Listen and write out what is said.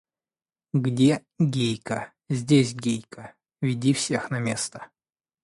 Где Гейка? – Здесь Гейка! – Веди всех на место.